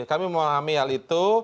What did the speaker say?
kami memahami hal itu